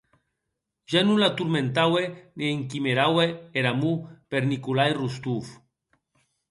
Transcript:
Ja non la tormentaue ne inquimeraue er amor per Nikolai Rostov.